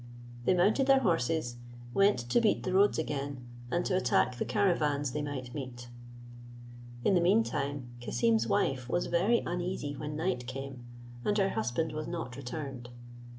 They mounted their horses, went to beat the roads again, and to attack the caravans they might meet. In the mean time, Cassim's wife was very uneasy when night came, and her husband was not returned.